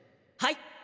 はい。